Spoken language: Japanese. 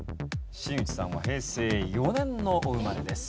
新内さんは平成４年のお生まれです。